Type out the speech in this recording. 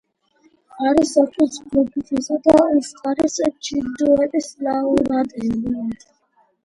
არის ოქროს გლობუსისა და ოსკარის ჯილდოების ლაურეატი.